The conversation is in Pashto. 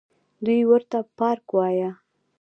دوى ورته پارک وايه.